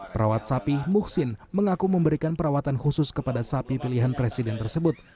perawat sapi muksin mengaku memberikan perawatan khusus kepada sapi pilihan presiden tersebut